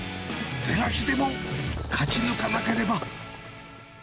ぜがひでも勝ち抜かなければ。